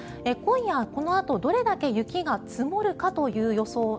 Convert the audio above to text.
今夜、このあとどれだけ雪が積もるかという予想